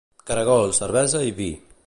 Caragols, cervesa i vi.